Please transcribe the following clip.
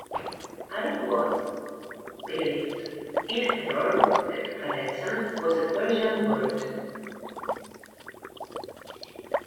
Alan Watts believed, in error, that karezza was a Persian word.